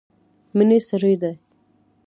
مڼې سرې دي.